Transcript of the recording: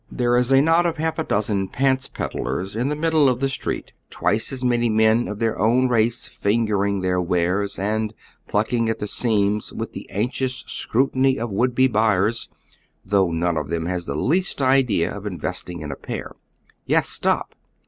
There is a knot of half a dozen "pants" pedlars in tlie middle of tlie street, twice as many men of tlieir own race fingering tlieir wares and plucking at the seams with the anxious scrutiny of would be buyers, though none of them has the least idea of investing in a pair. Yes, stop